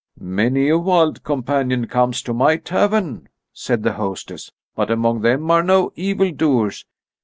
"Many a wild companion comes to my tavern," said the hostess, "but among them are no evildoers."